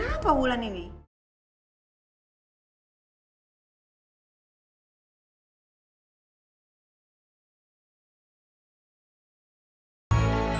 ya udah tapi ulan itu udah jenguk roman